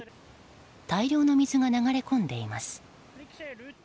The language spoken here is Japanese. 大量の水が流れ込んでいます。